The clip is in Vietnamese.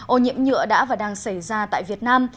ô nhiễm nhựa đã và đang xảy ra tại việt nam